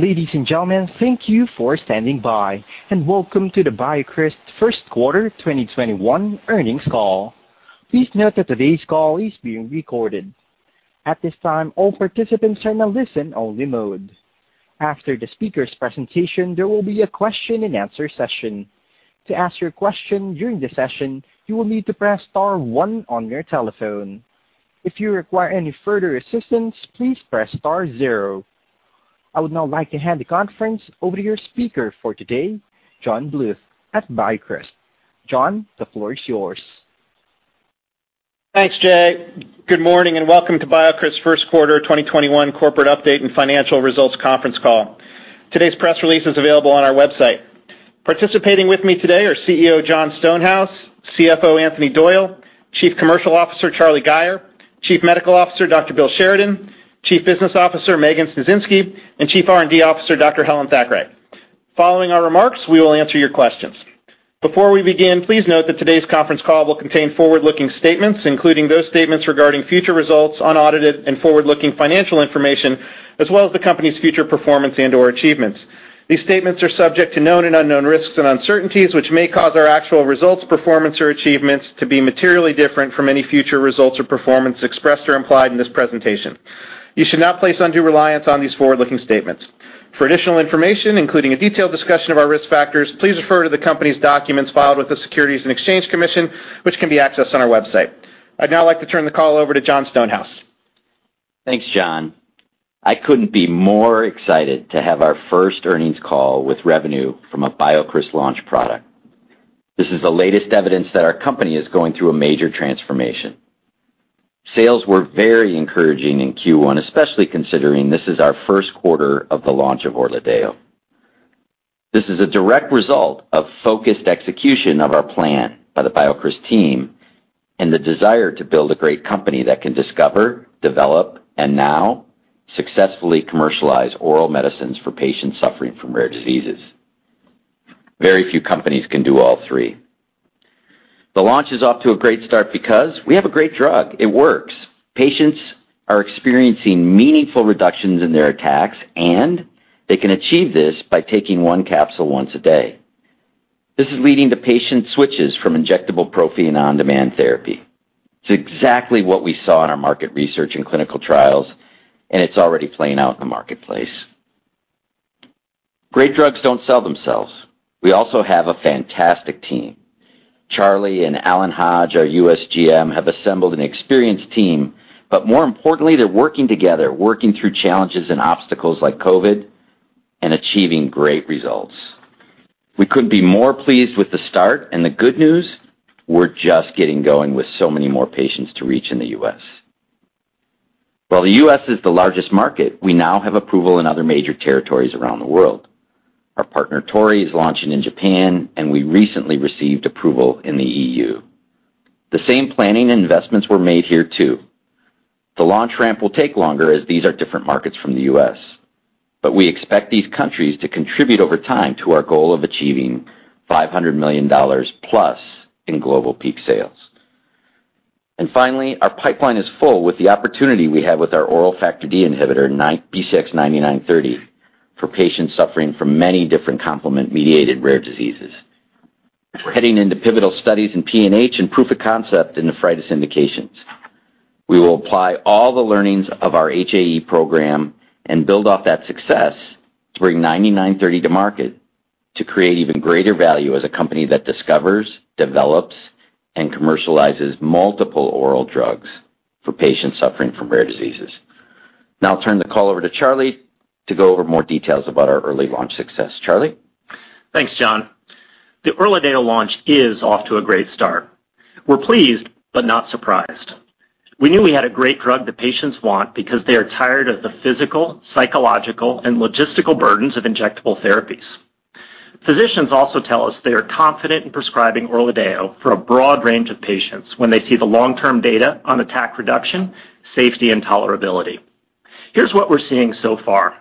Ladies and gentlemen, thank you for standing by, and welcome to the BioCryst first quarter 2021 earnings call. Please note that today's call is being recorded. At this time, all participants are in a listen-only mode. After the speaker's presentation, there will be a question and answer session. To ask your question during the session, you will need to press star 1 on your telephone. If you require any further assistance, please press star 0. I would now like to hand the conference over to your speaker for today, John Bluth at BioCryst. John, the floor is yours. Thanks, Jay. Good morning, and welcome to BioCryst first quarter 2021 corporate update and financial results conference call. Today's press release is available on our website. Participating with me today are CEO, Jon Stonehouse, CFO, Anthony Doyle, Chief Commercial Officer, Charlie Gayer, Chief Medical Officer, Dr. Bill Sheridan, Chief Business Officer, Megan Sniecinski, and Chief R&D Officer, Dr. Helen Thackray. Following our remarks, we will answer your questions. Before we begin, please note that today's conference call will contain forward-looking statements, including those statements regarding future results, unaudited, and forward-looking financial information, as well as the company's future performance and/or achievements. These statements are subject to known and unknown risks and uncertainties, which may cause our actual results, performance, or achievements to be materially different from any future results or performance expressed or implied in this presentation. You should not place undue reliance on these forward-looking statements. For additional information, including a detailed discussion of our risk factors, please refer to the company's documents filed with the Securities and Exchange Commission, which can be accessed on our website. I'd now like to turn the call over to Jon Stonehouse. Thanks, John. I couldn't be more excited to have our first earnings call with revenue from a BioCryst launched product. This is the latest evidence that our company is going through a major transformation. Sales were very encouraging in Q1, especially considering this is our first quarter of the launch of ORLADEYO. This is a direct result of focused execution of our plan by the BioCryst team and the desire to build a great company that can discover, develop, and now successfully commercialize oral medicines for patients suffering from rare diseases. Very few companies can do all three. The launch is off to a great start because we have a great drug. It works. Patients are experiencing meaningful reductions in their attacks, and they can achieve this by taking one capsule once a day. This is leading to patient switches from injectable prophy and on-demand therapy. It's exactly what we saw in our market research and clinical trials, and it's already playing out in the marketplace. Great drugs don't sell themselves. We also have a fantastic team. Charlie and Allen Hodge, our U.S. GM, have assembled an experienced team, but more importantly, they're working together, working through challenges and obstacles like COVID, and achieving great results. We couldn't be more pleased with the start, and the good news, we're just getting going with so many more patients to reach in the U.S. While the U.S. is the largest market, we now have approval in other major territories around the world. Our partner Torii is launching in Japan, and we recently received approval in the EU. The same planning investments were made here, too. The launch ramp will take longer as these are different markets from the U.S., but we expect these countries to contribute over time to our goal of achieving $500 million+ in global peak sales. Finally, our pipeline is full with the opportunity we have with our oral Factor D inhibitor, BCX9930, for patients suffering from many different complement-mediated rare diseases. We're heading into pivotal studies in PNH and proof of concept in nephritis indications. We will apply all the learnings of our HAE program and build off that success to bring 9930 to market to create even greater value as a company that discovers, develops, and commercializes multiple oral drugs for patients suffering from rare diseases. Now I'll turn the call over to Charlie to go over more details about our early launch success. Charlie? Thanks, Jon. The ORLADEYO launch is off to a great start. We're pleased, but not surprised. We knew we had a great drug that patients want because they are tired of the physical, psychological, and logistical burdens of injectable therapies. Physicians also tell us they are confident in prescribing ORLADEYO for a broad range of patients when they see the long-term data on attack reduction, safety, and tolerability. Here's what we're seeing so far.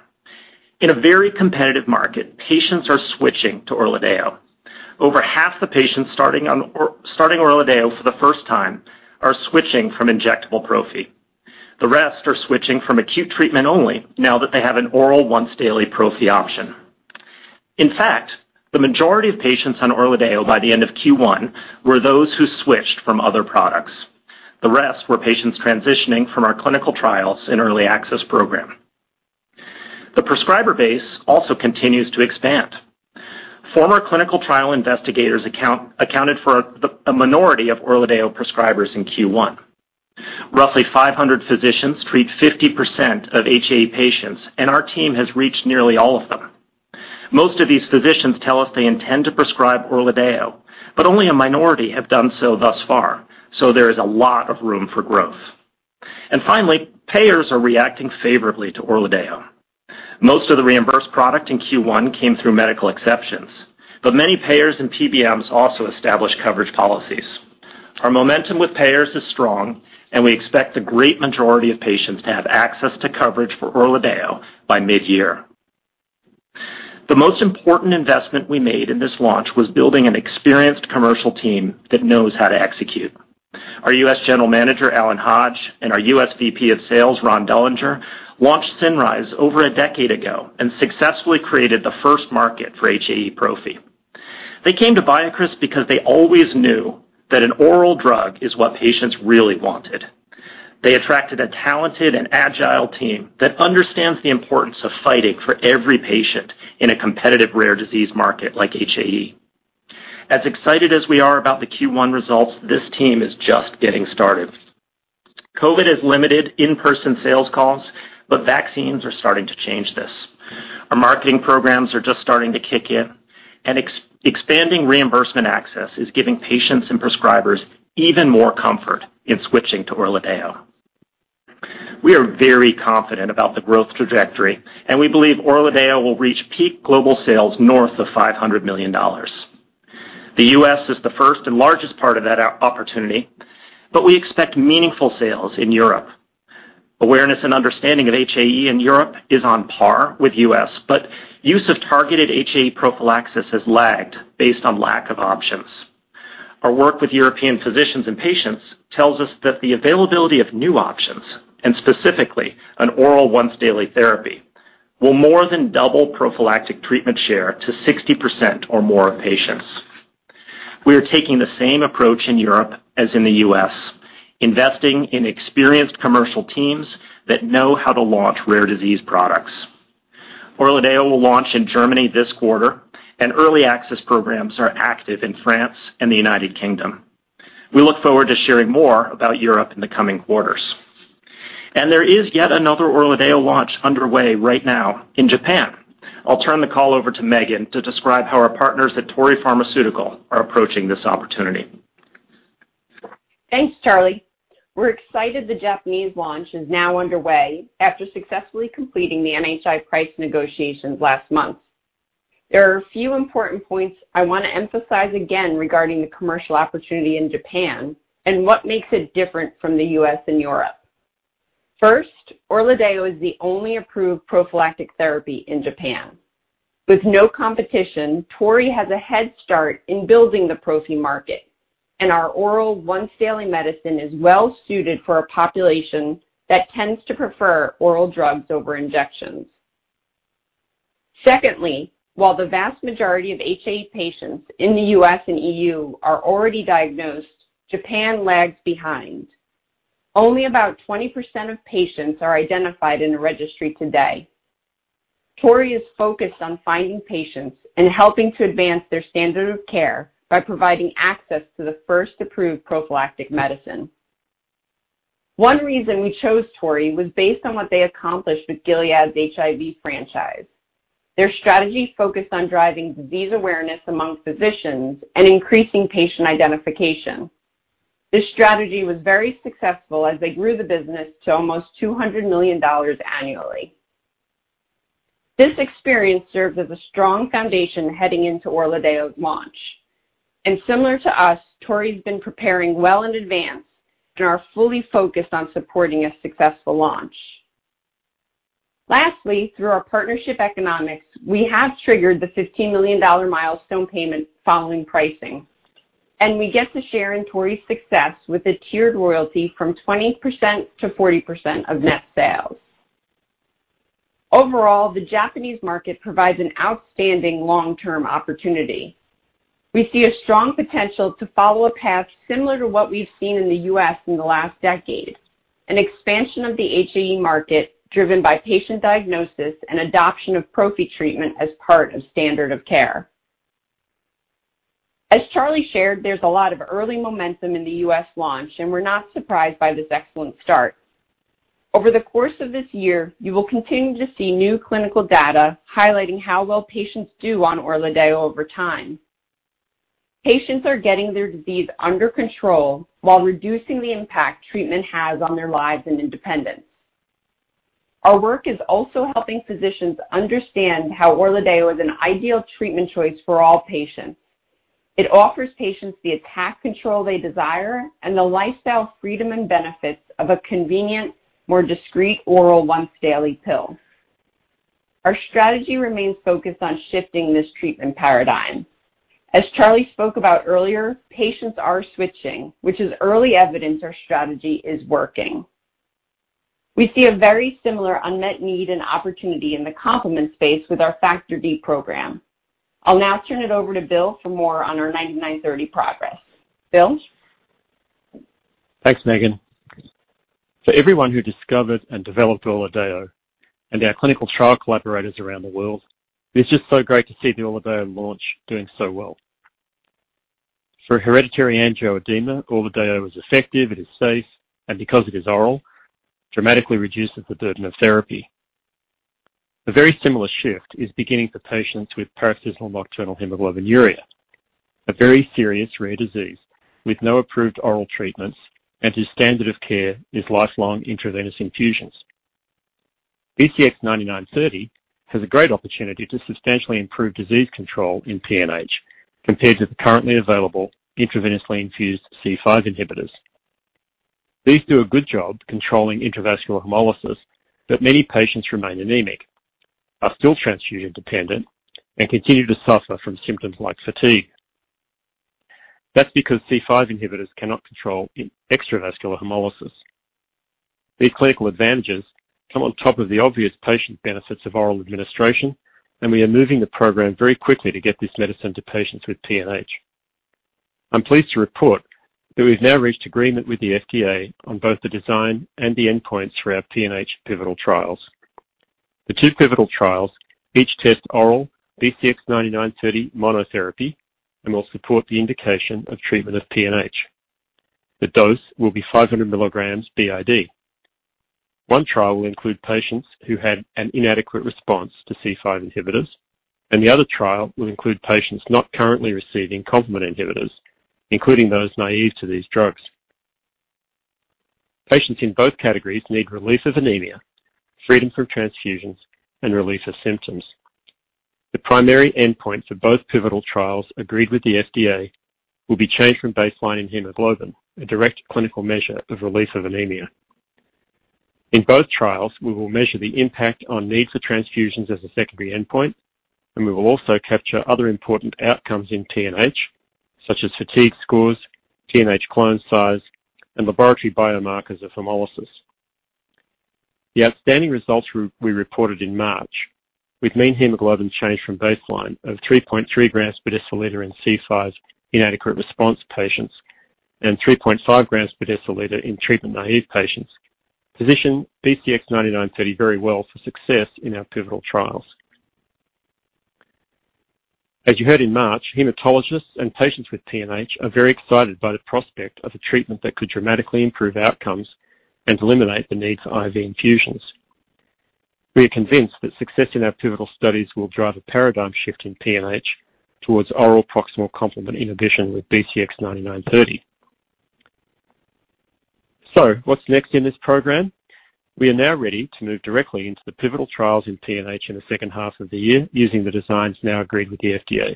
In a very competitive market, patients are switching to ORLADEYO. Over half the patients starting ORLADEYO for the first time are switching from injectable prophy. The rest are switching from acute treatment only now that they have an oral once-daily prophy option. In fact, the majority of patients on ORLADEYO by the end of Q1 were those who switched from other products. The rest were patients transitioning from our clinical trials and early access program. The prescriber base also continues to expand. Former clinical trial investigators accounted for a minority of ORLADEYO prescribers in Q1. Roughly 500 physicians treat 50% of HAE patients, and our team has reached nearly all of them. Most of these physicians tell us they intend to prescribe ORLADEYO, but only a minority have done so thus far, so there is a lot of room for growth. Finally, payers are reacting favorably to ORLADEYO. Most of the reimbursed product in Q1 came through medical exceptions, but many payers and PBMs also established coverage policies. Our momentum with payers is strong, and we expect the great majority of patients to have access to coverage for ORLADEYO by mid-year. The most important investment we made in this launch was building an experienced commercial team that knows how to execute. Our U.S. general manager, Allen Hodge, and our U.S. VP of sales, Ron Dullinger, launched CINRYZE over a decade ago and successfully created the first market for HAE prophy. They came to BioCryst because they always knew that an oral drug is what patients really wanted. They attracted a talented and agile team that understands the importance of fighting for every patient in a competitive rare disease market like HAE. As excited as we are about the Q1 results, this team is just getting started. COVID has limited in-person sales calls, but vaccines are starting to change this. Our marketing programs are just starting to kick in, and expanding reimbursement access is giving patients and prescribers even more comfort in switching to ORLADEYO. We are very confident about the growth trajectory, and we believe ORLADEYO will reach peak global sales north of $500 million. The U.S. is the first and largest part of that opportunity, but we expect meaningful sales in Europe. Awareness and understanding of HAE in Europe is on par with U.S., but use of targeted HAE prophylaxis has lagged based on lack of options. Our work with European physicians and patients tells us that the availability of new options, and specifically an oral once-daily therapy, will more than double prophylactic treatment share to 60% or more of patients. We are taking the same approach in Europe as in the U.S., investing in experienced commercial teams that know how to launch rare disease products. ORLADEYO will launch in Germany this quarter, and early access programs are active in France and the United Kingdom. We look forward to sharing more about Europe in the coming quarters. There is yet another ORLADEYO launch underway right now in Japan. I'll turn the call over to Megan to describe how our partners at Torii Pharmaceutical are approaching this opportunity. Thanks, Charlie. We're excited the Japanese launch is now underway after successfully completing the MHLW price negotiations last month. There are a few important points I want to emphasize again regarding the commercial opportunity in Japan and what makes it different from the U.S. and Europe. First, ORLADEYO is the only approved prophylactic therapy in Japan. With no competition, Torii has a head start in building the prophy market, and our oral once-daily medicine is well suited for a population that tends to prefer oral drugs over injections. Secondly, while the vast majority of HAE patients in the U.S. and E.U. are already diagnosed, Japan lags behind. Only about 20% of patients are identified in a registry today. Torii is focused on finding patients and helping to advance their standard of care by providing access to the first approved prophylactic medicine. One reason we chose Torii was based on what they accomplished with Gilead's HIV franchise. Their strategy focused on driving disease awareness among physicians and increasing patient identification. This strategy was very successful as they grew the business to almost $200 million annually. This experience served as a strong foundation heading into ORLADEYO's launch. Similar to us, Torii has been preparing well in advance and are fully focused on supporting a successful launch. Lastly, through our partnership economics, we have triggered the $15 million milestone payment following pricing, and we get to share in Torii's success with a tiered royalty from 20%-40% of net sales. Overall, the Japanese market provides an outstanding long-term opportunity. We see a strong potential to follow a path similar to what we've seen in the U.S. in the last decade, an expansion of the HAE market driven by patient diagnosis and adoption of prophy treatment as part of standard of care. As Charlie shared, there's a lot of early momentum in the U.S. launch, and we're not surprised by this excellent start. Over the course of this year, you will continue to see new clinical data highlighting how well patients do on ORLADEYO over time. Patients are getting their disease under control while reducing the impact treatment has on their lives and independence. Our work is also helping physicians understand how ORLADEYO is an ideal treatment choice for all patients. It offers patients the attack control they desire and the lifestyle freedom and benefits of a convenient, more discreet oral once-daily pill. Our strategy remains focused on shifting this treatment paradigm. As Charlie spoke about earlier, patients are switching, which is early evidence our strategy is working. We see a very similar unmet need and opportunity in the complement space with our Factor D program. I'll now turn it over to Bill for more on our 9930 progress. Bill? Thanks, Megan. For everyone who discovered and developed ORLADEYO and our clinical trial collaborators around the world, it's just so great to see the ORLADEYO launch doing so well. For hereditary angioedema, ORLADEYO is effective, it is safe, and because it is oral, dramatically reduces the burden of therapy. A very similar shift is beginning for patients with paroxysmal nocturnal hemoglobinuria, a very serious rare disease with no approved oral treatments and whose standard of care is lifelong intravenous infusions. BCX9930 has a great opportunity to substantially improve disease control in PNH compared to the currently available intravenously infused C5 inhibitors. These do a good job controlling intravascular hemolysis, many patients remain anemic, are still transfusion-dependent, and continue to suffer from symptoms like fatigue. That's because C5 inhibitors cannot control extravascular hemolysis. These clinical advantages come on top of the obvious patient benefits of oral administration, we are moving the program very quickly to get this medicine to patients with PNH. I'm pleased to report that we've now reached agreement with the FDA on both the design and the endpoints for our PNH pivotal trials. The two pivotal trials each test oral BCX9930 monotherapy and will support the indication of treatment of PNH. The dose will be 500 milligrams BID. One trial will include patients who had an inadequate response to C5 inhibitors, the other trial will include patients not currently receiving complement inhibitors, including those naive to these drugs. Patients in both categories need relief of anemia, freedom from transfusions, and relief of symptoms. The primary endpoints of both pivotal trials agreed with the FDA will be changed from baseline in hemoglobin, a direct clinical measure of relief of anemia. In both trials, we will measure the impact on needs for transfusions as a secondary endpoint, and we will also capture other important outcomes in PNH, such as fatigue scores, PNH clone size, and laboratory biomarkers of hemolysis. The outstanding results we reported in March, with mean hemoglobin change from baseline of 3.3 grams per deciliter in C5 inadequate response patients and 3.5 grams per deciliter in treatment-naive patients, position BCX9930 very well for success in our pivotal trials. As you heard in March, hematologists and patients with PNH are very excited by the prospect of a treatment that could dramatically improve outcomes and eliminate the need for IV infusions. We are convinced that success in our pivotal studies will drive a paradigm shift in PNH towards oral proximal complement inhibition with BCX9930. What's next in this program? We are now ready to move directly into the pivotal trials in PNH in the second half of the year, using the designs now agreed with the FDA.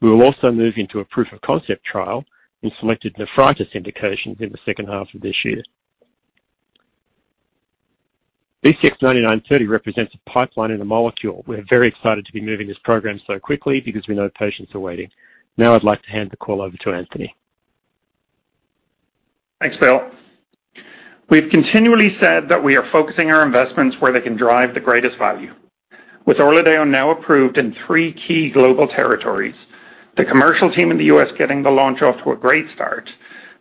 We will also move into a proof of concept trial in selected nephritis indications in the second half of this year. BCX9930 represents a pipeline in a molecule. We're very excited to be moving this program so quickly because we know patients are waiting. Now I'd like to hand the call over to Anthony. Thanks, Bill. We've continually said that we are focusing our investments where they can drive the greatest value. With ORLADEYO now approved in three key global territories, the commercial team in the U.S. getting the launch off to a great start,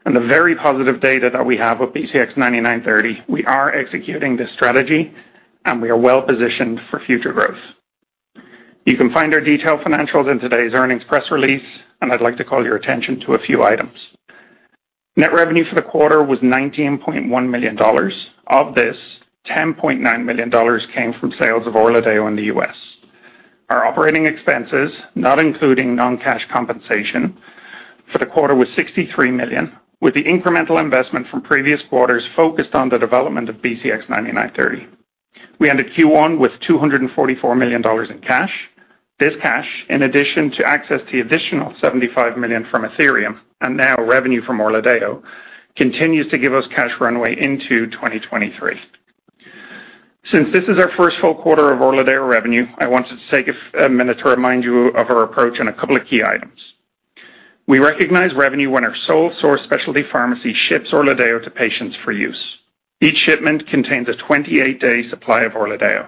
and the very positive data that we have with BCX9930, we are executing this strategy, and we are well-positioned for future growth. You can find our detailed financials in today's earnings press release, and I'd like to call your attention to a few items. Net revenue for the quarter was $19.1 million. Of this, $10.9 million came from sales of ORLADEYO in the U.S. Our operating expenses, not including non-cash compensation, for the quarter was $63 million, with the incremental investment from previous quarters focused on the development of BCX9930. We ended Q1 with $244 million in cash. This cash, in addition to access to the additional $75 million from Athyrium, and now revenue from ORLADEYO, continues to give us cash runway into 2023. Since this is our first full quarter of ORLADEYO revenue, I want to take a minute to remind you of our approach on a couple of key items. We recognize revenue when our sole source specialty pharmacy ships ORLADEYO to patients for use. Each shipment contains a 28-day supply of ORLADEYO.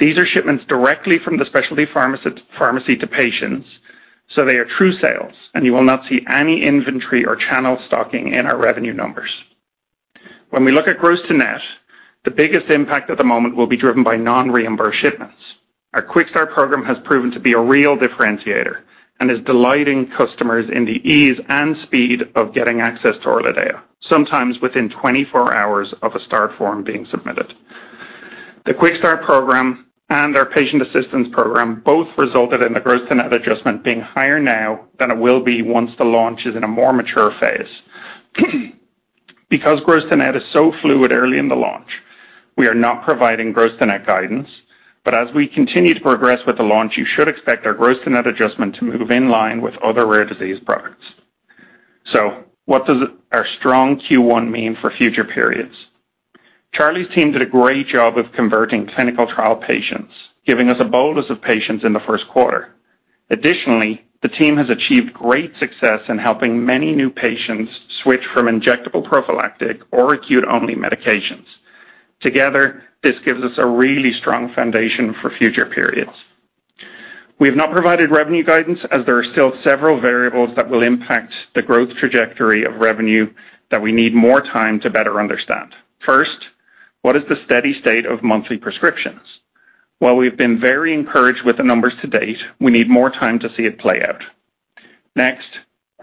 These are shipments directly from the specialty pharmacy to patients, so they are true sales, and you will not see any inventory or channel stocking in our revenue numbers. When we look at gross to net, the biggest impact at the moment will be driven by non-reimbursed shipments. Our QuickStart program has proven to be a real differentiator and is delighting customers in the ease and speed of getting access to ORLADEYO, sometimes within 24 hours of a start form being submitted. The QuickStart program and our patient assistance program both resulted in the gross-to-net adjustment being higher now than it will be once the launch is in a more mature phase. Because gross-to-net is so fluid early in the launch, we are not providing gross-to-net guidance. As we continue to progress with the launch, you should expect our gross-to-net adjustment to move in line with other rare disease products. What does our strong Q1 mean for future periods? Charlie's team did a great job of converting clinical trial patients, giving us a bolus of patients in the first quarter. Additionally, the team has achieved great success in helping many new patients switch from injectable prophylactic or acute-only medications. Together, this gives us a really strong foundation for future periods. We have not provided revenue guidance, as there are still several variables that will impact the growth trajectory of revenue that we need more time to better understand. First, what is the steady state of monthly prescriptions? While we've been very encouraged with the numbers to date, we need more time to see it play out. Next,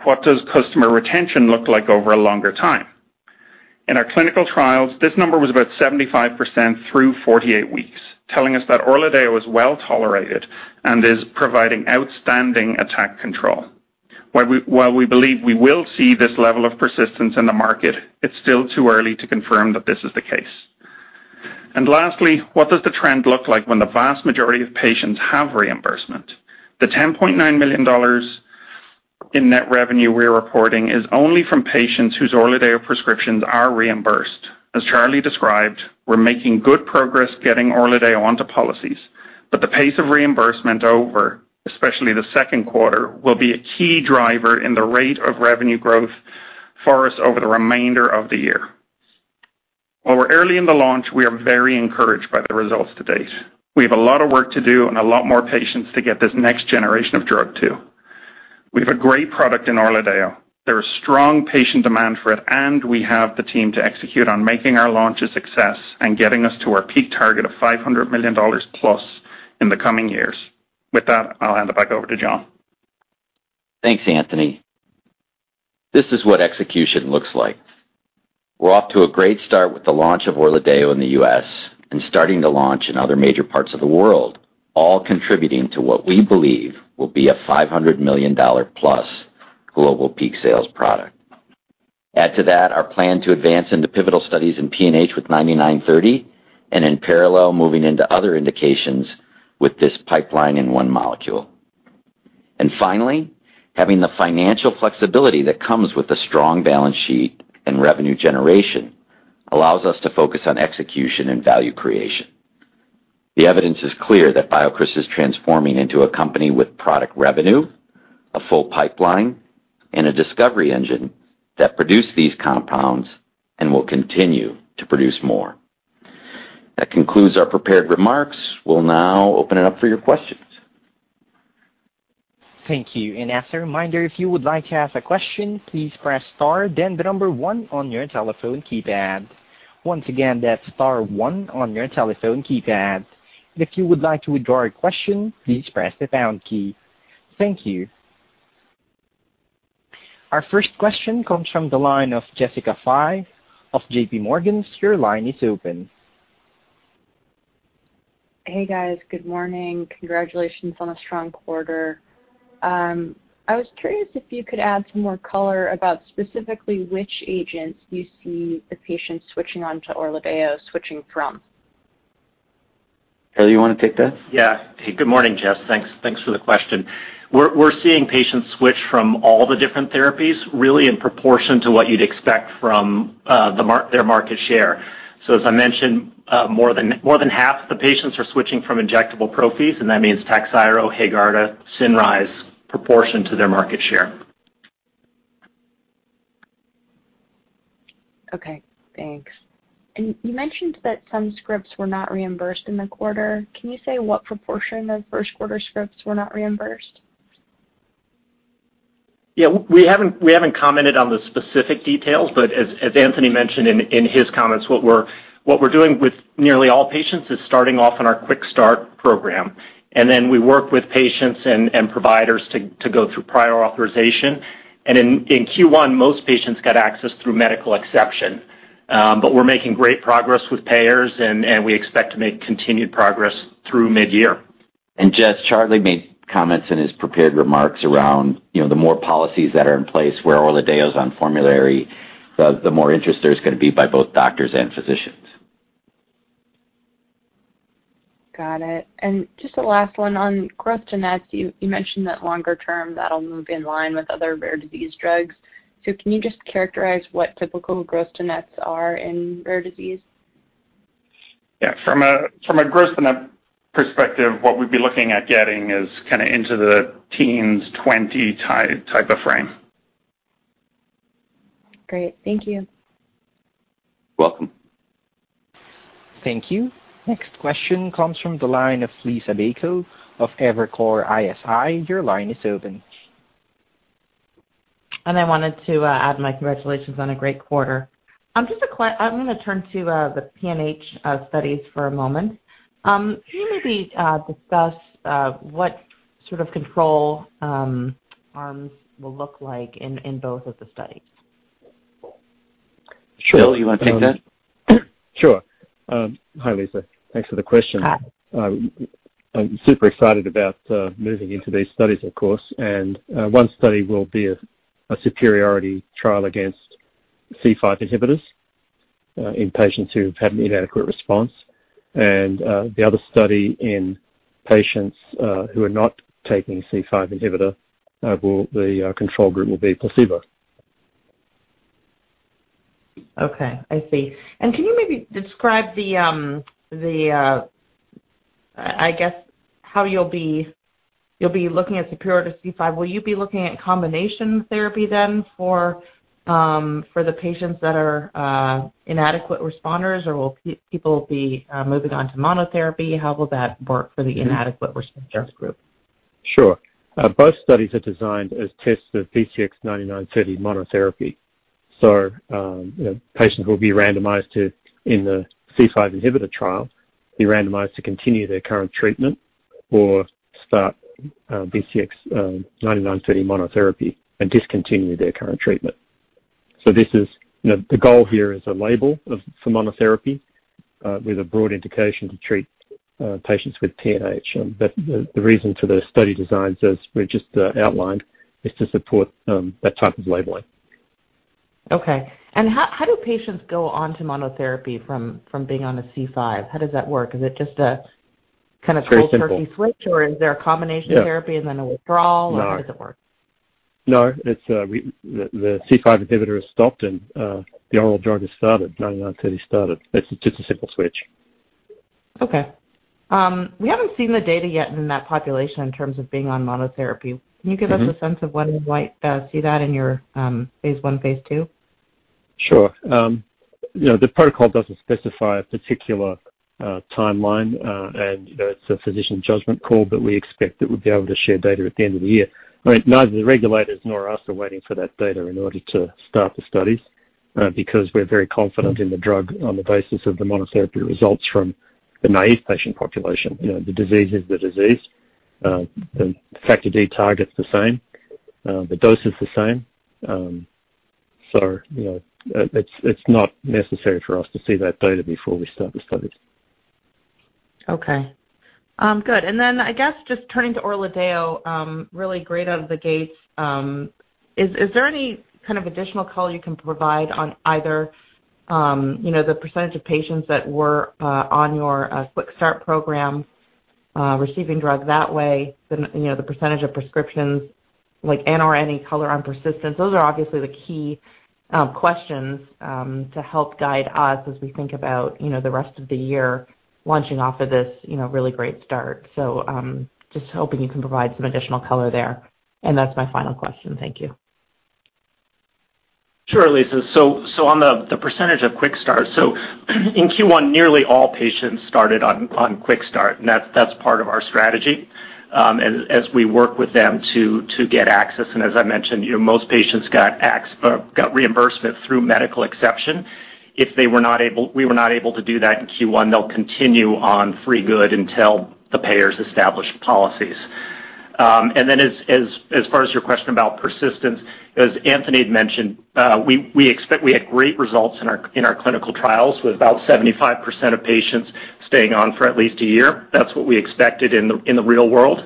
what does customer retention look like over a longer time? In our clinical trials, this number was about 75% through 48 weeks, telling us that ORLADEYO was well-tolerated and is providing outstanding attack control. While we believe we will see this level of persistence in the market, it's still too early to confirm that this is the case. Lastly, what does the trend look like when the vast majority of patients have reimbursement? The $10.9 million in net revenue we're reporting is only from patients whose ORLADEYO prescriptions are reimbursed. As Charlie described, we're making good progress getting ORLADEYO onto policies, but the pace of reimbursement over, especially the second quarter, will be a key driver in the rate of revenue growth for us over the remainder of the year. While we're early in the launch, we are very encouraged by the results to date. We have a lot of work to do and a lot more patients to get this next generation of drug to. We have a great product in ORLADEYO. There is strong patient demand for it, and we have the team to execute on making our launch a success and getting us to our peak target of $500 million plus in the coming years. With that, I'll hand it back over to John. Thanks, Anthony. This is what execution looks like. We're off to a great start with the launch of ORLADEYO in the U.S. and starting to launch in other major parts of the world, all contributing to what we believe will be a $500 million-plus global peak sales product. Add to that our plan to advance into pivotal studies in PNH with 9930 and in parallel, moving into other indications with this pipeline in one molecule. Having the financial flexibility that comes with a strong balance sheet and revenue generation allows us to focus on execution and value creation. The evidence is clear that BioCryst is transforming into a company with product revenue, a full pipeline, and a discovery engine that produced these compounds and will continue to produce more. That concludes our prepared remarks. We'll now open it up for your questions. Thank you. As a reminder, if you would like to ask a question, please press star then the number one on your telephone keypad. Once again, that's star one on your telephone keypad. If you would like to withdraw a question, please press the pound key. Thank you. Our first question comes from the line of Jessica Fye of JPMorgan. Your line is open. Hey, guys. Good morning. Congratulations on a strong quarter. I was curious if you could add some more color about specifically which agents you see the patients switching onto ORLADEYO switching from. Charlie, you want to take that? Good morning, Jess. Thanks for the question. We're seeing patients switch from all the different therapies, really in proportion to what you'd expect from their market share. As I mentioned, more than half the patients are switching from injectable Prophy's, and that means TAKHZYRO, HAEGARDA, CINRYZE, proportion to their market share. Okay, thanks. You mentioned that some scripts were not reimbursed in the quarter. Can you say what proportion of first-quarter scripts were not reimbursed? Yeah, we haven't commented on the specific details, but as Anthony mentioned in his comments, what we're doing with nearly all patients is starting off on our QuickStart program, then we work with patients and providers to go through prior authorization. In Q1, most patients got access through medical exception. We're making great progress with payers, and we expect to make continued progress through mid-year. Jess, Charlie made comments in his prepared remarks around the more policies that are in place where ORLADEYO is on formulary, the more interest there's going to be by both doctors and physicians. Got it. Just the last one on gross to nets. You mentioned that longer-term, that'll move in line with other rare disease drugs. Can you just characterize what typical gross to nets are in rare disease? Yeah. From a gross to net perspective, what we'd be looking at getting is kind of into the teens, 20 type of frame. Great. Thank you. Welcome. Thank you. Next question comes from the line of Liisa Bayko of Evercore ISI. Your line is open. I wanted to add my congratulations on a great quarter. I'm going to turn to the PNH studies for a moment. Can you maybe discuss what sort of control arms will look like in both of the studies? Sure. Bill, you want to take that? Sure. Hi, Liisa. Thanks for the question. Hi. I'm super excited about moving into these studies, of course. One study will be a superiority trial against C5 inhibitors in patients who have had an inadequate response. The other study in patients who are not taking C5 inhibitor, the control group will be placebo. Okay. I see. Can you maybe describe how you'll be looking at superiority C5? Will you be looking at combination therapy then for the patients that are inadequate responders, or will people be moving on to monotherapy? How will that work for the inadequate responder group? Sure. Both studies are designed as tests of BCX9930 monotherapy. Patients who will be randomized to in the C5 inhibitor trial, be randomized to continue their current treatment or start BCX9930 monotherapy and discontinue their current treatment. The goal here is a label for monotherapy with a broad indication to treat patients with PNH. The reason for the study designs, as we just outlined, is to support that type of labeling. Okay. How do patients go on to monotherapy from being on a C5? How does that work? Is it just a kind of cold turkey switch? It's very simple. Is there a combination therapy and then a withdrawal-? No How does it work? No, the C5 inhibitor is stopped and the oral drug is started, 9930 is started. It's just a simple switch. Okay. We haven't seen the data yet in that population in terms of being on monotherapy. Can you give us a sense of when we might see that in your phase I, phase II? Sure. The protocol doesn't specify a particular timeline, and it's a physician judgment call, but we expect that we'll be able to share data at the end of the year. Neither the regulators nor us are waiting for that data in order to start the studies, because we're very confident in the drug on the basis of the monotherapy results from the naive patient population. The disease is the disease. The Factor D target's the same. The dose is the same. It's not necessary for us to see that data before we start the studies. Okay. Good. I guess just turning to ORLADEYO, really great out of the gates. Is there any kind of additional color you can provide on either the percentage of patients that were on your QuickStart program, receiving drug that way, the percentage of prescriptions, and/or any color on persistence? Those are obviously the key questions to help guide us as we think about the rest of the year launching off of this really great start. Just hoping you can provide some additional color there. That's my final question. Thank you. Sure, Liisa. On the percentage of QuickStart. In Q1, nearly all patients started on QuickStart, and that's part of our strategy as we work with them to get access. As I mentioned, most patients got reimbursement through medical exception. If we were not able to do that in Q1, they'll continue on free good until the payers establish policies. As far as your question about persistence, as Anthony had mentioned, we had great results in our clinical trials with about 75% of patients staying on for at least one year. That's what we expected in the real world.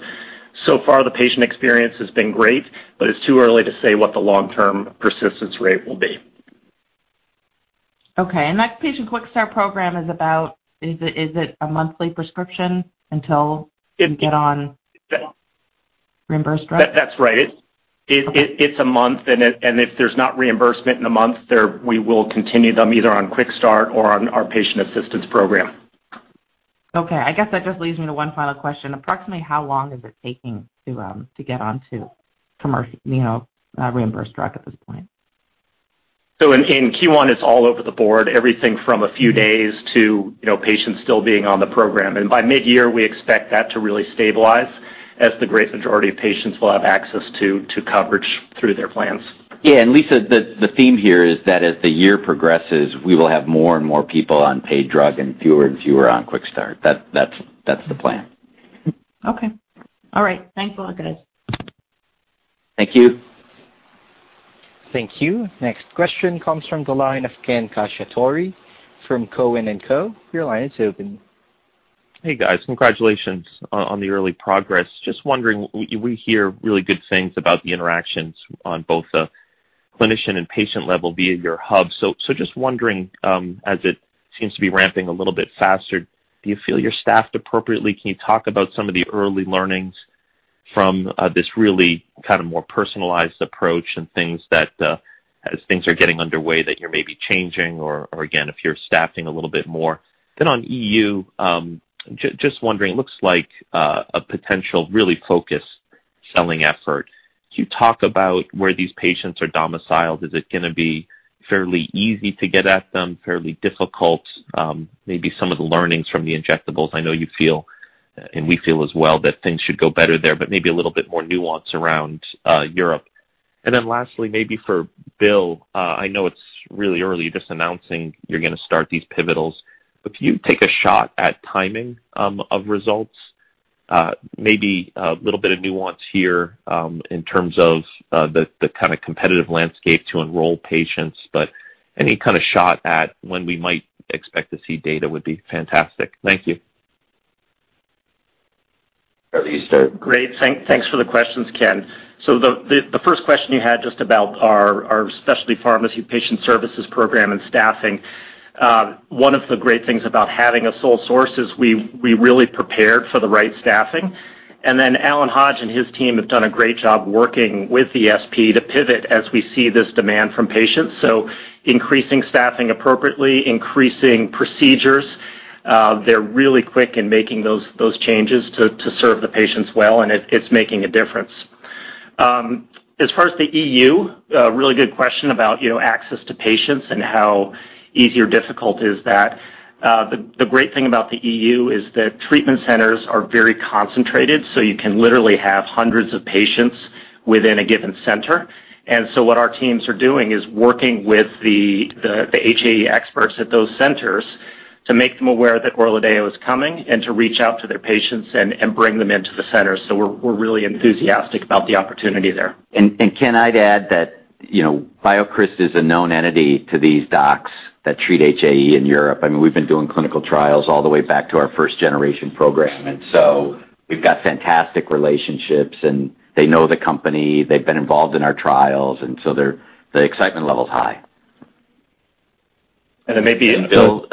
So far, the patient experience has been great, but it's too early to say what the long-term persistence rate will be. Okay. That patient QuickStart program, is it a monthly prescription until you get on reimbursed drug? That's right. Okay. It's a month, and if there's not reimbursement in a month, we will continue them either on QuickStart or on our patient assistance program. Okay. I guess that just leads me to one final question. Approximately how long is it taking to get onto commercial reimbursed drug at this point? In Q1, it's all over the board. Everything from a few days to patients still being on the program. By midyear, we expect that to really stabilize as the great majority of patients will have access to coverage through their plans. Yeah, Liisa, the theme here is that as the year progresses, we will have more and more people on paid drug and fewer and fewer on QuickStart. That's the plan. Okay. All right. Thanks a lot, guys. Thank you. Thank you. Next question comes from the line of Ken Cacciatore from Cowen and Company. Your line is open. Hey, guys. Congratulations on the early progress. Just wondering, we hear really good things about the interactions on both the clinician and patient level via your hub. Just wondering, as it seems to be ramping a little bit faster, do you feel you're staffed appropriately? Can you talk about some of the early learnings from this really more personalized approach and things that as things are getting underway, that you're maybe changing or, again, if you're staffing a little bit more? On EU, just wondering, looks like a potential really focused selling effort. Can you talk about where these patients are domiciled? Is it going to be fairly easy to get at them, fairly difficult? Maybe some of the learnings from the injectables. I know you feel, and we feel as well, that things should go better there, but maybe a little bit more nuance around Europe. Lastly, maybe for Bill, I know it's really early, just announcing you're going to start these pivotals, but can you take a shot at timing of results? Maybe a little bit of nuance here in terms of the kind of competitive landscape to enroll patients, but any kind of shot at when we might expect to see data would be fantastic. Thank you. You start. Great. Thanks for the questions, Ken. The first question you had just about our specialty pharmacy patient services program and staffing. One of the great things about having a sole source is we really prepared for the right staffing. Allen Hodge and his team have done a great job working with ESP to pivot as we see this demand from patients, increasing staffing appropriately, increasing procedures. They're really quick in making those changes to serve the patients well, and it's making a difference. As far as the EU, a really good question about access to patients and how easy or difficult is that. The great thing about the EU is that treatment centers are very concentrated, so you can literally have hundreds of patients within a given center. What our teams are doing is working with the HAE experts at those centers to make them aware that ORLADEYO is coming and to reach out to their patients and bring them into the center. We're really enthusiastic about the opportunity there. Ken, I'd add that BioCryst is a known entity to these docs. That treat HAE in Europe. I mean, we've been doing clinical trials all the way back to our first generation program, and so we've got fantastic relationships, and they know the company. They've been involved in our trials, and so the excitement level's high. And it may be- Bill,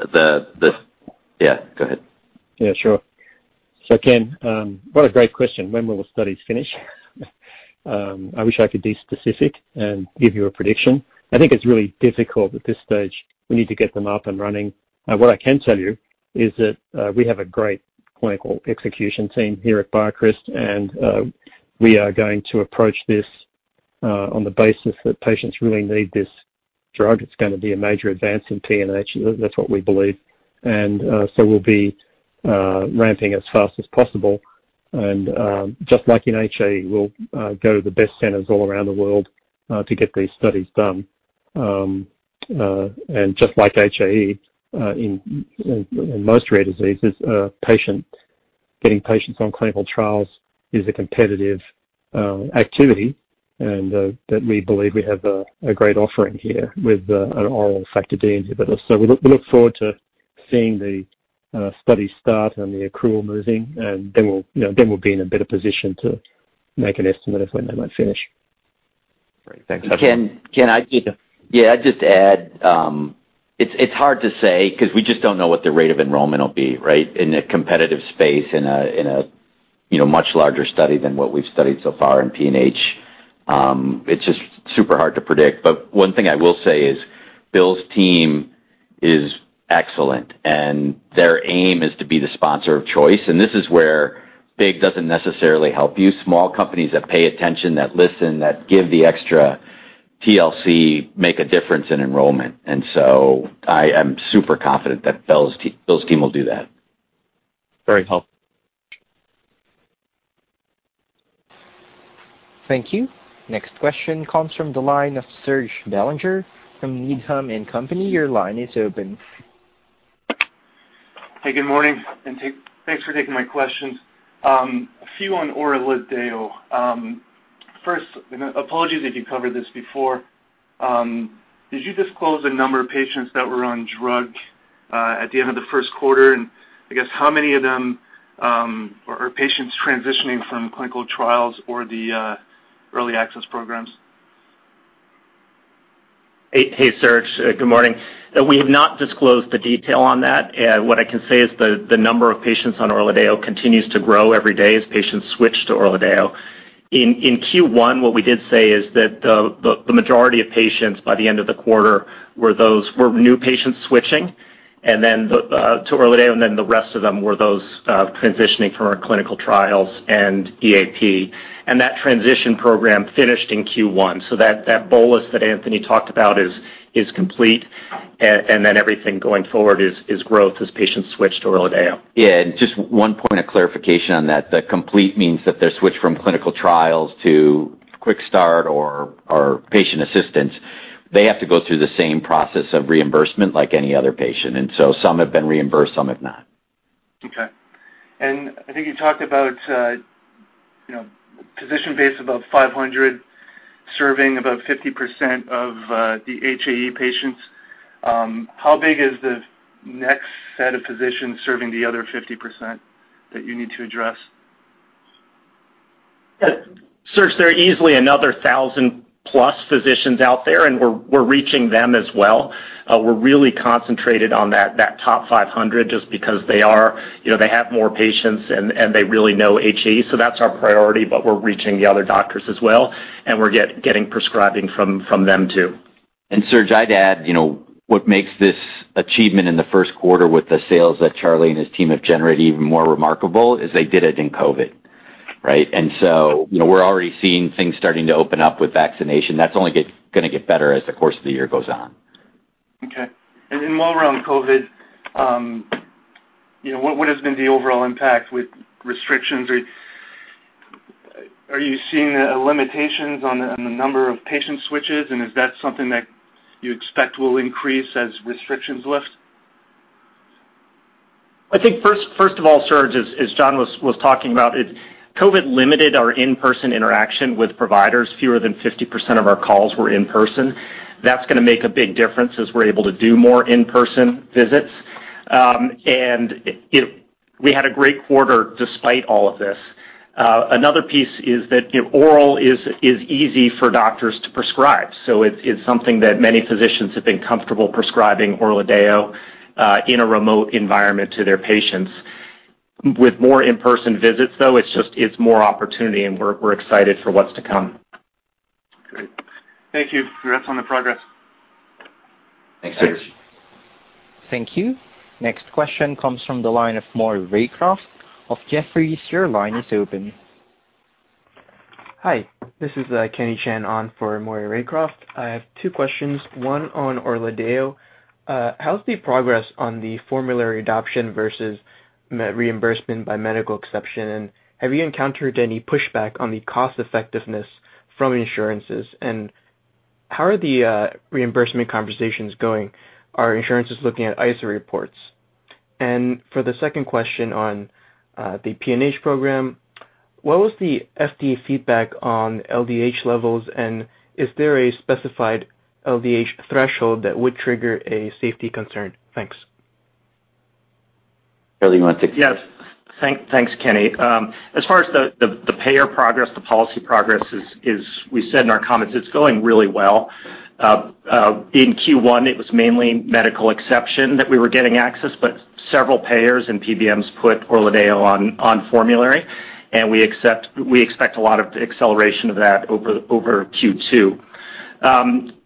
Yeah, go ahead. Yeah, sure. Ken, what a great question. When will studies finish? I wish I could be specific and give you a prediction. I think it's really difficult at this stage. We need to get them up and running. What I can tell you is that, we have a great clinical execution team here at BioCryst, and we are going to approach this on the basis that patients really need this drug. It's going to be a major advance in PNH. That's what we believe. We'll be ramping as fast as possible. Just like in HAE, we'll go to the best centers all around the world to get these studies done. Just like HAE, in most rare diseases, getting patients on clinical trials is a competitive activity, and that we believe we have a great offering here with an oral Factor D inhibitor. We look forward to seeing the study start and the accrual moving, and then we'll be in a better position to make an estimate of when they might finish. Great. Thanks. Ken, I'd just add, it's hard to say because we just don't know what the rate of enrollment will be, right? In a competitive space, in a much larger study than what we've studied so far in PNH. It's just super hard to predict. One thing I will say is Bill's team is excellent, and their aim is to be the sponsor of choice. This is where big doesn't necessarily help you. Small companies that pay attention, that listen, that give the extra TLC, make a difference in enrollment. I am super confident that Bill's team will do that. Very helpful. Thank you. Next question comes from the line of Serge Belanger from Needham & Company. Your line is open. Hey, good morning, and thanks for taking my questions. A few on ORLADEYO. First, apologies if you covered this before. Did you disclose the number of patients that were on drug, at the end of the first quarter? I guess how many of them are patients transitioning from clinical trials or the early access programs? Hey, Serge. Good morning. We have not disclosed the detail on that. What I can say is the number of patients on ORLADEYO continues to grow every day as patients switch to ORLADEYO. In Q1, what we did say is that the majority of patients by the end of the quarter were new patients switching to ORLADEYO, the rest of them were those transitioning from our clinical trials and EAP. That transition program finished in Q1. That bolus that Anthony talked about is complete, everything going forward is growth as patients switch to ORLADEYO. Yeah. Just one point of clarification on that, the complete means that they're switched from clinical trials to QuickStart or patient assistance. They have to go through the same process of reimbursement like any other patient, some have been reimbursed, some have not. Okay. I think you talked about physician base above 500, serving about 50% of the HAE patients. How big is the next set of physicians serving the other 50% that you need to address? Serge, there are easily another 1,000 plus physicians out there. We're reaching them as well. We're really concentrated on that top 500 just because they have more patients and they really know HAE. That's our priority, but we're reaching the other doctors as well, and we're getting prescribing from them too. Serge, I'd add, what makes this achievement in the first quarter with the sales that Charlie and his team have generated even more remarkable is they did it in COVID, right? We're already seeing things starting to open up with vaccination. That's only going to get better as the course of the year goes on. Okay. While we're on COVID, what has been the overall impact with restrictions? Are you seeing limitations on the number of patient switches? Is that something that you expect will increase as restrictions lift? I think first of all, Serge, as Jon was talking about, COVID limited our in-person interaction with providers. Fewer than 50% of our calls were in person. That's going to make a big difference as we're able to do more in-person visits. We had a great quarter despite all of this. Another piece is that oral is easy for doctors to prescribe. It's something that many physicians have been comfortable prescribing ORLADEYO in a remote environment to their patients. With more in-person visits, though, it's more opportunity, and we're excited for what's to come. Great. Thank you. Congrats on the progress. Thanks, Serge. Thanks. Thank you. Next question comes from the line of Maury Raycroft of Jefferies. Your line is open. Hi. This is Kenny Chan on for Maury Raycroft. I have two questions, one on ORLADEYO. How's the progress on the formulary adoption versus reimbursement by medical exception? Have you encountered any pushback on the cost effectiveness from insurances? How are the reimbursement conversations going? Are insurances looking at ICER reports? For the second question on the PNH program, what was the FDA feedback on LDH levels? Is there a specified LDH threshold that would trigger a safety concern? Thanks. Bill, you want to take this? Yes. Thanks, Kenny. As far as the payer progress, the policy progress is, we said in our comments, it's going really well. In Q1, it was mainly medical exception that we were getting access, but several payers and PBMs put ORLADEYO on formulary, and we expect a lot of acceleration of that over Q2.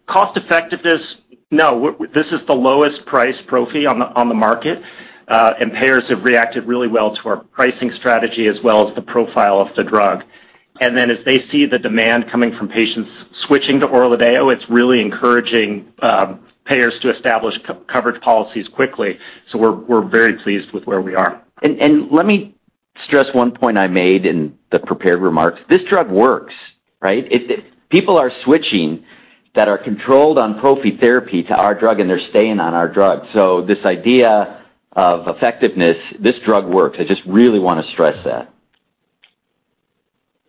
Cost-effectiveness, no, this is the lowest price Prophy on the market, and payers have reacted really well to our pricing strategy as well as the profile of the drug. As they see the demand coming from patients switching to ORLADEYO, it's really encouraging payers to establish coverage policies quickly. We're very pleased with where we are. Let me stress one point I made in the prepared remarks. This drug works, right? People are switching that are controlled on prophy therapy to our drug, and they're staying on our drug. This idea of effectiveness, this drug works. I just really want to stress that.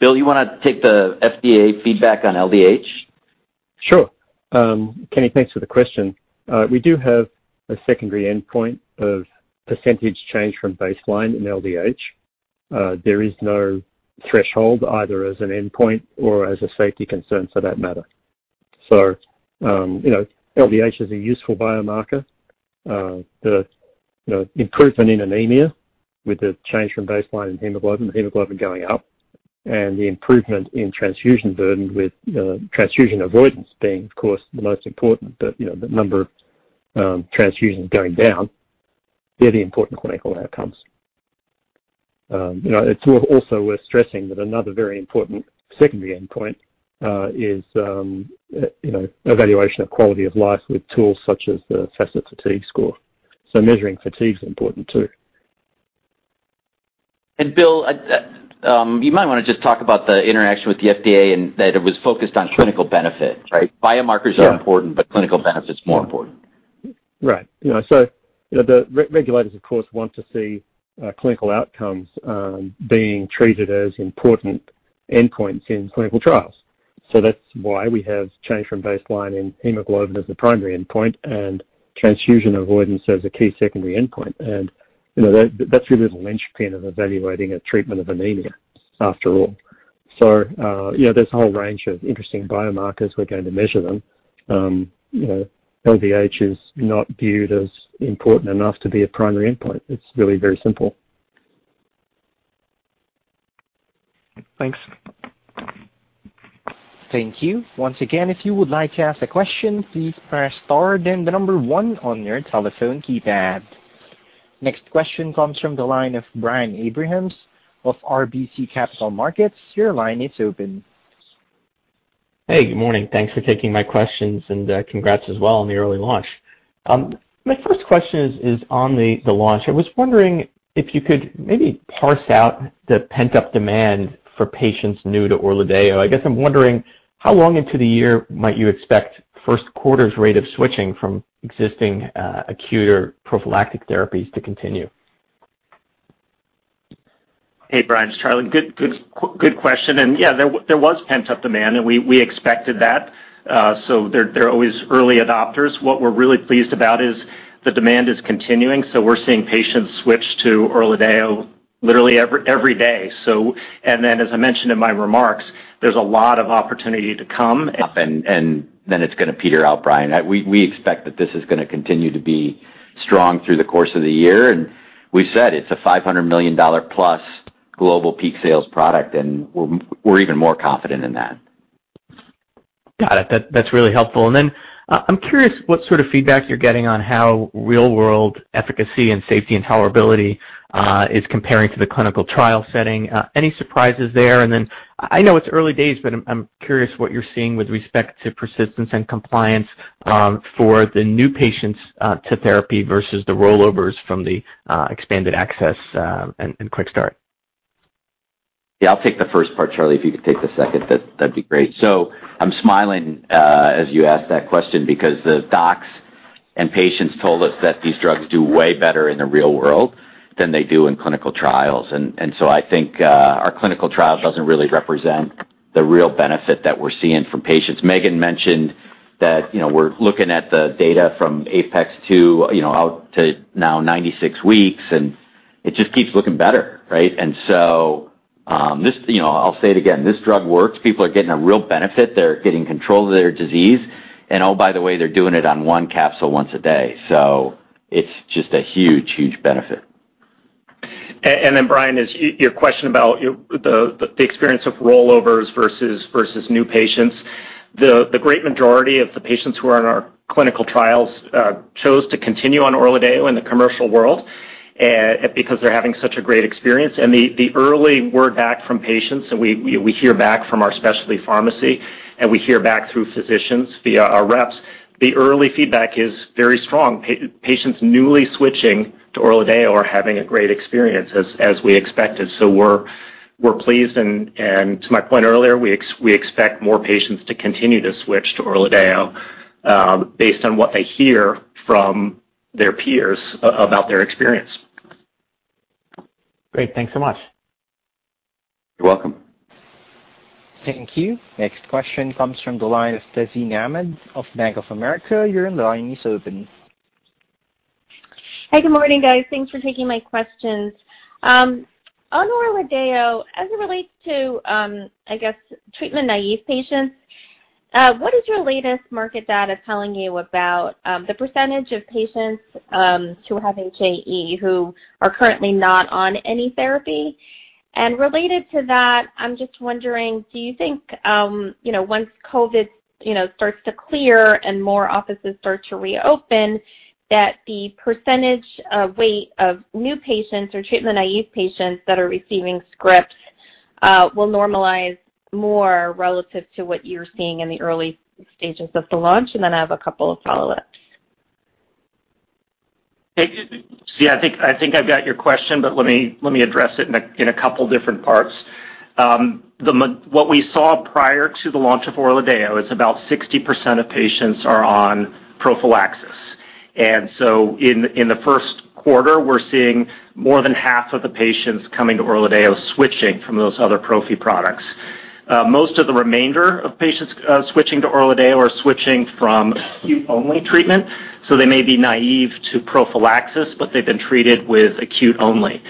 Bill, you want to take the FDA feedback on LDH? Sure. Kenny, thanks for the question. We do have a secondary endpoint of % change from baseline in LDH. There is no threshold, either as an endpoint or as a safety concern for that matter. LDH is a useful biomarker. The improvement in anemia with the change from baseline in hemoglobin, the hemoglobin going up, and the improvement in transfusion burden with transfusion avoidance being, of course, the most important, the number of transfusions going down, they're the important clinical outcomes. It's also worth stressing that another very important secondary endpoint is evaluation of quality of life with tools such as the FACIT fatigue score. Measuring fatigue is important, too. Bill, you might want to just talk about the interaction with the FDA and that it was focused on clinical benefit, right? Yeah. Biomarkers are important, but clinical benefit is more important. Right. The regulators, of course, want to see clinical outcomes being treated as important endpoints in clinical trials. That's why we have change from baseline in hemoglobin as the primary endpoint and transfusion avoidance as a key secondary endpoint. That's really the linchpin of evaluating a treatment of anemia, after all. There's a whole range of interesting biomarkers. We're going to measure them. LDH is not viewed as important enough to be a primary endpoint. It's really very simple. Thanks. Thank you. Once again, if you would like to ask a question, please press star then the number one on your telephone keypad. Next question comes from the line of Brian Abrahams of RBC Capital Markets. Your line is open. Hey, good morning. Thanks for taking my questions. Congrats as well on the early launch. My first question is on the launch. I was wondering if you could maybe parse out the pent-up demand for patients new to ORLADEYO. I guess I'm wondering how long into the year might you expect first quarter's rate of switching from existing acute or prophylactic therapies to continue? Hey, Brian, it's Charlie. Good question. Yeah, there was pent-up demand, and we expected that. There are always early adopters. What we're really pleased about is the demand is continuing, so we're seeing patients switch to ORLADEYO literally every day. As I mentioned in my remarks, there's a lot of opportunity to come. It's going to peter out, Brian. We expect that this is going to continue to be strong through the course of the year. We said it's a $500 million-plus global peak sales product, and we're even more confident in that. Got it. That's really helpful. I'm curious what sort of feedback you're getting on how real-world efficacy and safety and tolerability is comparing to the clinical trial setting. Any surprises there? I know it's early days, but I'm curious what you're seeing with respect to persistence and compliance for the new patients to therapy versus the rollovers from the expanded access and QuickStart. Yeah, I'll take the first part, Charlie, if you could take the second, that'd be great. I'm smiling as you ask that question because the docs and patients told us that these drugs do way better in the real world than they do in clinical trials. I think our clinical trial doesn't really represent the real benefit that we're seeing from patients. Megan mentioned that we're looking at the data from APEX-2 out to now 96 weeks, it just keeps looking better, right? I'll say it again, this drug works. People are getting a real benefit. They're getting control of their disease. Oh, by the way, they're doing it on one capsule once a day. It's just a huge, huge benefit. Brian, as your question about the experience of rollovers versus new patients. The great majority of the patients who are on our clinical trials chose to continue on ORLADEYO in the commercial world because they're having such a great experience. The early word back from patients, and we hear back from our specialty pharmacy, and we hear back through physicians via our reps, the early feedback is very strong. Patients newly switching to ORLADEYO are having a great experience as we expected. We're pleased, and to my point earlier, we expect more patients to continue to switch to ORLADEYO based on what they hear from their peers about their experience. Great. Thanks so much. You're welcome. Thank you. Next question comes from the line of Tazeen Ahmad of Bank of America. Your line is open. Hey, good morning, guys. Thanks for taking my questions. On ORLADEYO, as it relates to treatment-naive patients, what is your latest market data telling you about the percentage of patients who have HAE who are currently not on any therapy? Related to that, I'm just wondering, do you think once COVID starts to clear and more offices start to reopen, that the percentage of weight of new patients or treatment-naive patients that are receiving scripts will normalize more relative to what you're seeing in the early stages of the launch? Then I have a couple of follow-ups. Yeah, I think I've got your question, but let me address it in a couple of different parts. What we saw prior to the launch of ORLADEYO is about 60% of patients are on prophylaxis. In the first quarter, we're seeing more than half of the patients coming to ORLADEYO switching from those other prophy products. Most of the remainder of patients switching to ORLADEYO are switching from acute-only treatment, so they may be naive to prophylaxis, but they've been treated with acute only.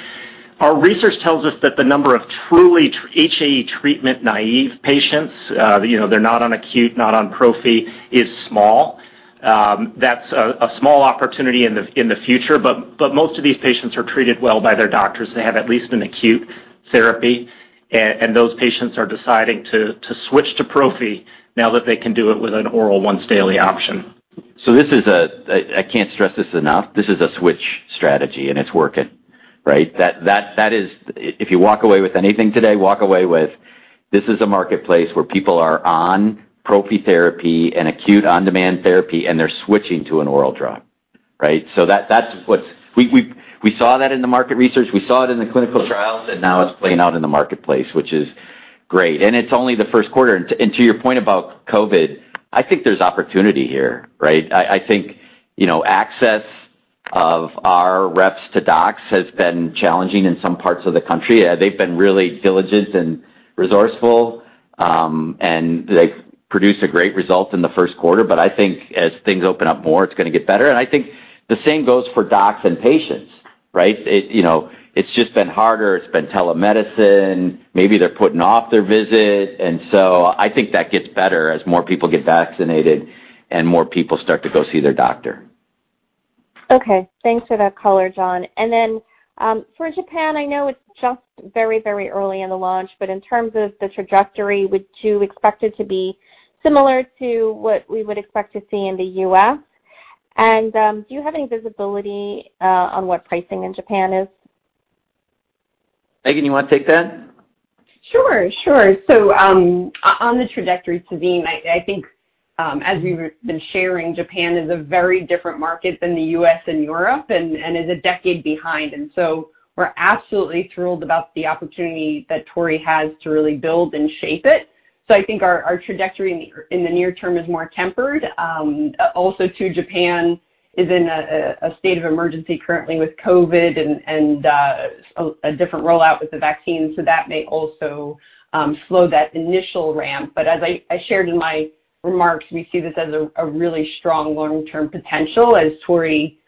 Our research tells us that the number of truly HAE treatment-naive patients, they're not on acute, not on prophy, is small. That's a small opportunity in the future, most of these patients are treated well by their doctors. They have at least an acute therapy, and those patients are deciding to switch to prophy now that they can do it with an oral once-daily option. This is a, I can't stress this enough, this is a switch strategy, and it's working, right? If you walk away with anything today, walk away with this is a marketplace where people are on prophy therapy and acute on-demand therapy, and they're switching to an oral drug, right? We saw that in the market research, we saw it in the clinical trials, and now it's playing out in the marketplace, which is great. It's only the first quarter. To your point about COVID, I think there's opportunity here, right? I think access of our reps to docs has been challenging in some parts of the country. They've been really diligent and resourceful, and they've produced a great result in the first quarter. I think as things open up more, it's going to get better. I think the same goes for docs and patients, right? It's just been harder. It's been telemedicine. Maybe they're putting off their visit. I think that gets better as more people get vaccinated and more people start to go see their doctor. Okay. Thanks for that color, Jon. For Japan, I know it's just very early in the launch, but in terms of the trajectory, would you expect it to be similar to what we would expect to see in the U.S.? Do you have any visibility on what pricing in Japan is? Megan, you want to take that? Sure. On the trajectory, Tazi, I think as we've been sharing, Japan is a very different market than the U.S. and Europe and is a decade behind. We're absolutely thrilled about the opportunity that Torii has to really build and shape it. I think our trajectory in the near term is more tempered. Also, too, Japan is in a state of emergency currently with COVID and a different rollout with the vaccine, so that may also slow that initial ramp. As I shared in my remarks, we see this as a really strong long-term potential as Torii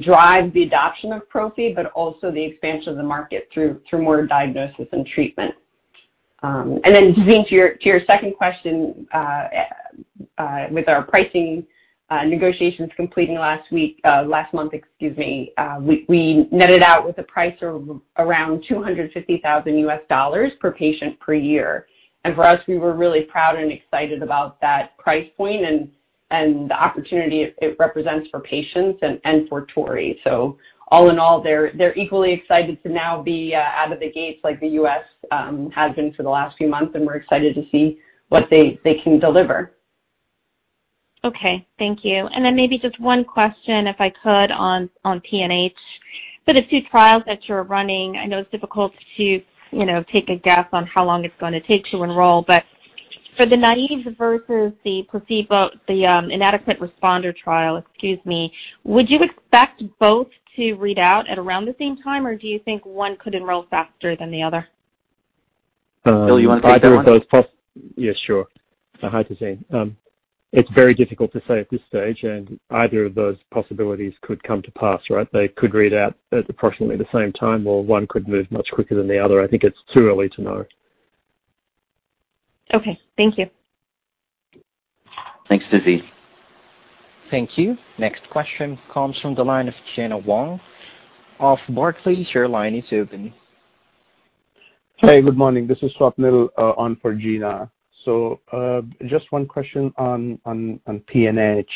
drives the adoption of prophy, but also the expansion of the market through more diagnosis and treatment. Tazi, to your second question, with our pricing negotiations completing last month, we netted out with a price of around $250,000 per patient per year. For us, we were really proud and excited about that price point and the opportunity it represents for patients and for Torii. All in all, they're equally excited to now be out of the gates like the U.S. has been for the last few months, and we're excited to see what they can deliver. Okay. Thank you. Maybe just one question, if I could, on PNH. For the two trials that you're running, I know it's difficult to take a guess on how long it's going to take to enroll, but for the naive versus the inadequate responder trial, would you expect both to read out at around the same time, or do you think one could enroll faster than the other? Bill, you want to take that one? Yeah, sure. Hi, Tazeen. It's very difficult to say at this stage, and either of those possibilities could come to pass, right? They could read out at approximately the same time, or one could move much quicker than the other. I think it's too early to know. Okay. Thank you. Thanks, Tazeen. Thank you. Next question comes from the line of Gena Wang of Barclays. Your line is open. Hey, good morning. This is Swapnil on for Gena Wang. Just one question on PNH.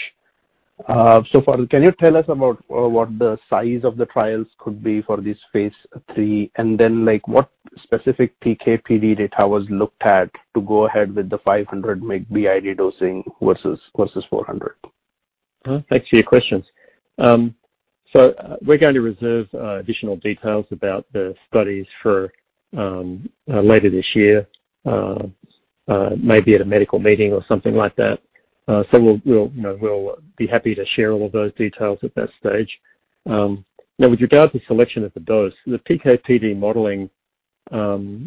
Farrel, can you tell us about what the size of the trials could be for this phase III, and then what specific PK/PD data was looked at to go ahead with the 500 mg BID dosing versus 400? Thanks for your questions. We're going to reserve additional details about the studies for later this year, maybe at a medical meeting or something like that. We'll be happy to share all of those details at that stage. With regard to selection of the dose, the PK/PD modeling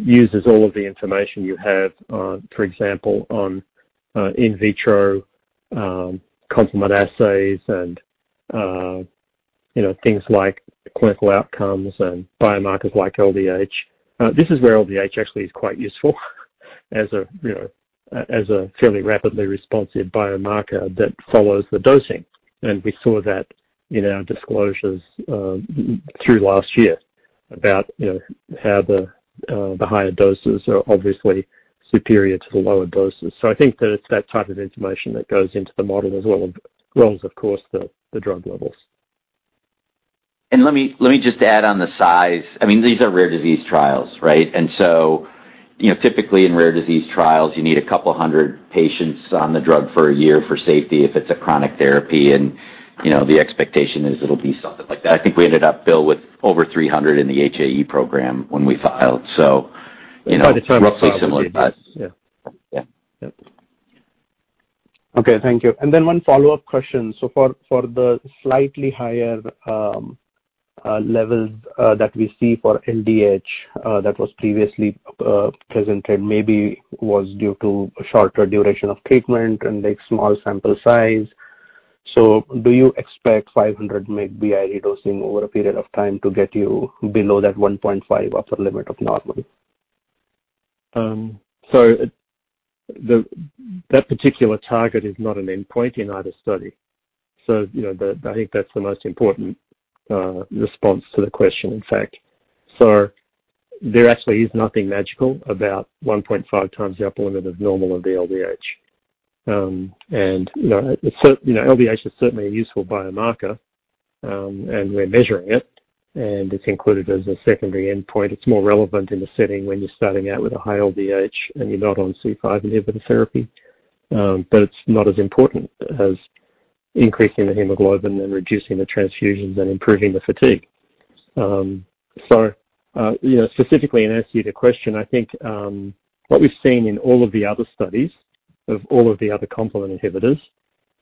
uses all of the information you have, for example, on in vitro complement assays and things like clinical outcomes and biomarkers like LDH. This is where LDH actually is quite useful as a fairly rapidly responsive biomarker that follows the dosing. We saw that in our disclosures through last year about how the higher doses are obviously superior to the lower doses. I think that it's that type of information that goes into the model as well, as well as, of course, the drug levels. Let me just add on the size. These are rare disease trials, right? Typically in rare disease trials, you need a couple of hundred patients on the drug for a year for safety if it's a chronic therapy, and the expectation is it'll be something like that. I think we ended up, Bill, with over 300 in the HAE program when we filed. By the time we filed, yeah. roughly similar size. Yeah. Yeah. Yeah. Okay. Thank you. One follow-up question. For the slightly higher levels that we see for LDH that was previously presented maybe was due to a shorter duration of treatment and a small sample size. Do you expect 500mg/kg BID dosing over a period of time to get you below that 1.5 upper limit of normal? That particular target is not an endpoint in either study. I think that's the most important response to the question, in fact. There actually is nothing magical about 1.5 times the upper limit of normal of the LDH. LDH is certainly a useful biomarker, and we're measuring it, and it's included as a secondary endpoint. It's more relevant in the setting when you're starting out with a high LDH and you're not on C5 inhibitor therapy. It's not as important as increasing the hemoglobin and reducing the transfusions and improving the fatigue. Specifically in answer to your question, I think what we've seen in all of the other studies of all of the other complement inhibitors,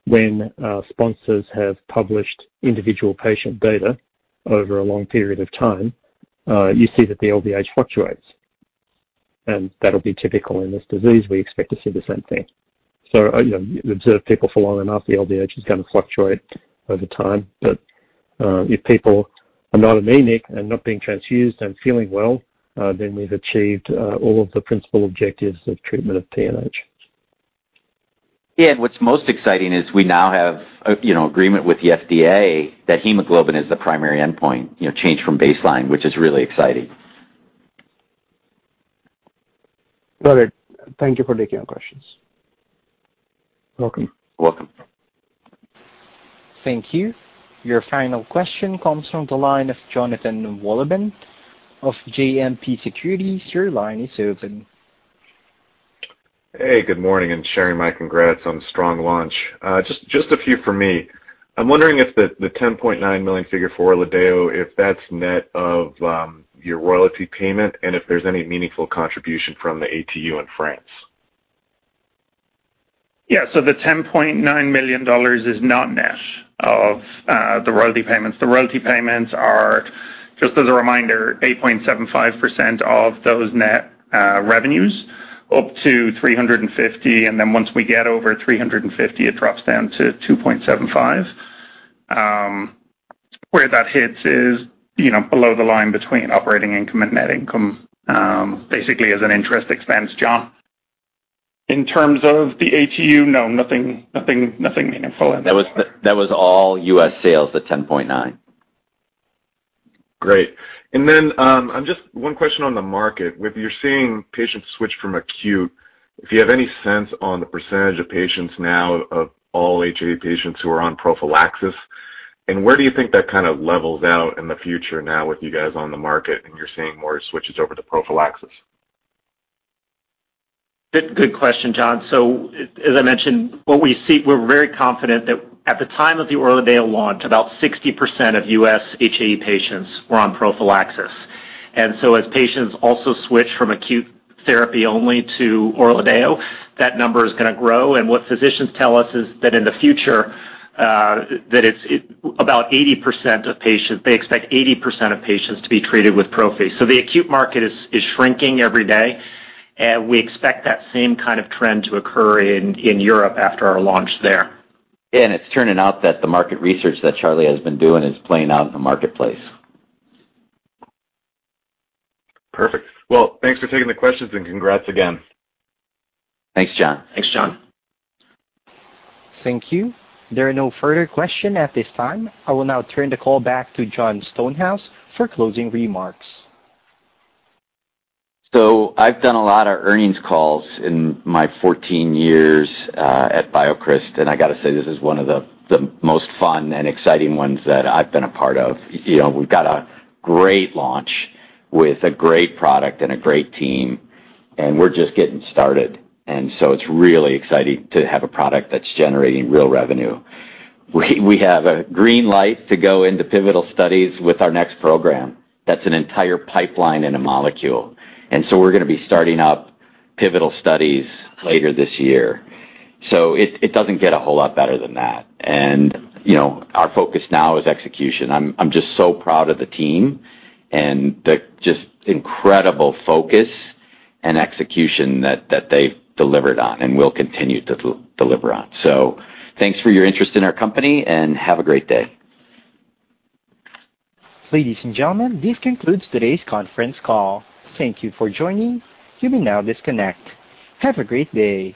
when sponsors have published individual patient data over a long period of time, you see that the LDH fluctuates. That'll be typical in this disease. We expect to see the same thing. If you observe people for long enough, the LDH is going to fluctuate over time. If people are not anemic and not being transfused and feeling well, then we've achieved all of the principal objectives of treatment of PNH. Yeah. What's most exciting is we now have agreement with the FDA that hemoglobin is the primary endpoint, change from baseline, which is really exciting. Got it. Thank you for taking our questions. Welcome. Welcome. Thank you. Your final question comes from the line of Jonathan Wolleben of JMP Securities. Your line is open. Hey, good morning, sharing my congrats on the strong launch. Just a few from me. I'm wondering if the $10.9 million figure for ORLADEYO, if that's net of your royalty payment, and if there's any meaningful contribution from the ATU in France. The $10.9 million is not net of the royalty payments. The royalty payments are, just as a reminder, 8.75% of those net revenues up to $350 million, and then once we get over $350 million, it drops down to 2.75%. Where that hits is below the line between operating income and net income, basically as an interest expense, Jon. In terms of the ATU, no, nothing meaningful in that. That was all U.S. sales, the $10.9. Great. Just one question on the market. Whether you're seeing patients switch from acute, if you have any sense on the percentage of patients now of all HAE patients who are on prophylaxis, and where do you think that kind of levels out in the future now with you guys on the market and you're seeing more switches over to prophylaxis? Good question, Jon. As I mentioned, we're very confident that at the time of the ORLADEYO launch, about 60% of U.S. HAE patients were on prophylaxis. As patients also switch from acute therapy only to ORLADEYO, that number is going to grow. What physicians tell us is that in the future, they expect 80% of patients to be treated with prophy. The acute market is shrinking every day, and we expect that same kind of trend to occur in Europe after our launch there. Yeah. It's turning out that the market research that Charlie has been doing is playing out in the marketplace. Perfect. Well, thanks for taking the questions, and congrats again. Thanks, Jon. Thanks, Jon. Thank you. There are no further questions at this time. I will now turn the call back to Jon Stonehouse for closing remarks. I've done a lot of earnings calls in my 14 years at BioCryst, and I got to say, this is one of the most fun and exciting ones that I've been a part of. We've got a great launch with a great product and a great team, and we're just getting started. It's really exciting to have a product that's generating real revenue. We have a green light to go into pivotal studies with our next program. That's an entire pipeline in a molecule. We're going to be starting up pivotal studies later this year. It doesn't get a whole lot better than that. Our focus now is execution. I'm just so proud of the team and the just incredible focus and execution that they've delivered on and will continue to deliver on. Thanks for your interest in our company, and have a great day. Ladies and gentlemen, this concludes today's conference call. Thank you for joining. You may now disconnect. Have a great day.